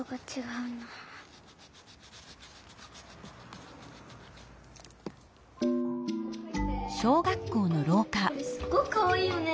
うんこれすっごくかわいいよね。